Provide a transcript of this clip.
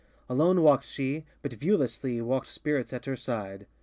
Alone walkŌĆÖd she; but, viewlessly, WalkŌĆÖd spirits at her side.